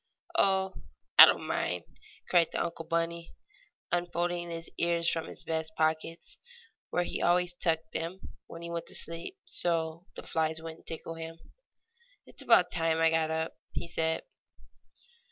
"Oh, I don't mind!" cried the bunny uncle, unfolding his ears from his vest pockets, where he always tucked them when he went to sleep, so the flies would not tickle him. "It's about time I got up," he said.